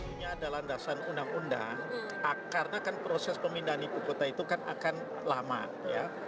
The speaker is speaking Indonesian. ini adalah landasan undang undang karena kan proses pemindahan ibu kota itu kan akan lama ya